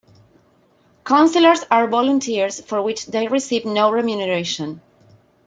Councillors are volunteers for which they receive no remuneration.